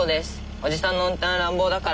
おじさんの運転は乱暴だから。